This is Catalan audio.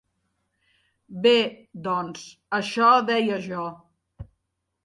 Bé, doncs, això deia jo.